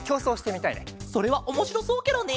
それはおもしろそうケロね！